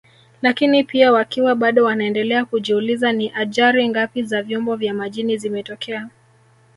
Lakini pia wakiwa bado wanaendelea kujiuliza ni ajari ngapi za vyombo vya majini zimetokea